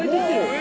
え！